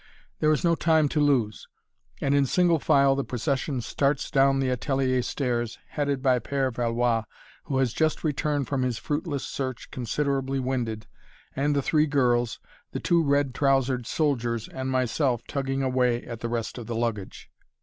There is no time to lose, and in single file the procession starts down the atelier stairs, headed by Père Valois, who has just returned from his fruitless search considerably winded, and the three girls, the two red trousered soldiers and myself tugging away at the rest of the baggage.